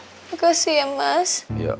makasih ya mas